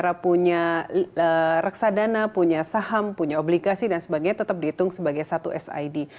karena punya reksadana punya saham punya obligasi dan sebagainya tetap dihitung sebagai satu sid